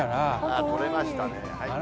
とれましたね。